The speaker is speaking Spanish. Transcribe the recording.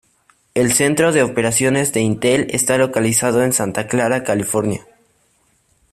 El centro de operaciones de Intel está localizado en Santa Clara, California.